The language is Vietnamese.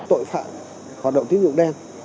tội phạm hoạt động tín dụng đen